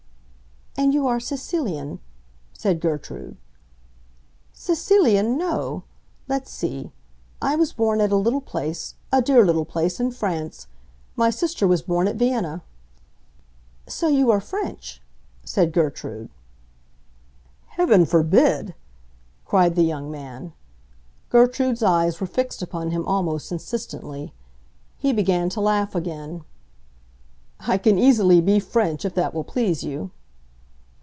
"And you are Sicilian," said Gertrude. "Sicilian, no! Let's see. I was born at a little place—a dear little place—in France. My sister was born at Vienna." "So you are French," said Gertrude. "Heaven forbid!" cried the young man. Gertrude's eyes were fixed upon him almost insistently. He began to laugh again. "I can easily be French, if that will please you."